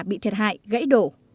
bị thiệt hại gãy đổ